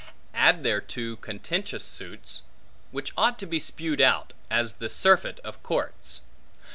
Add thereto contentious suits, which ought to be spewed out, as the surfeit of courts.